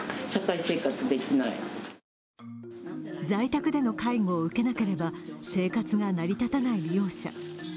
在宅での介護を受けなければ生活が成り立たない利用者。